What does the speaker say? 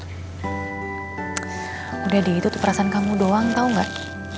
udah deh itu tuh perasaan kamu doang tau gak